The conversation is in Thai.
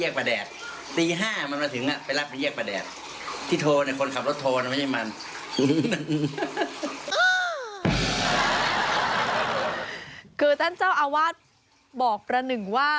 คือท่านเจ้าอาวาสบอกประหนึ่งว่า